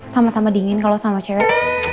sama sama dingin kalau sama cewek